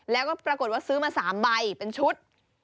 แล้วก็ปรากฏว่าซื้อมา๓ใบเป็นชุด